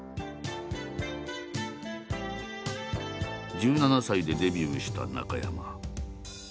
１７歳でデビューした中山。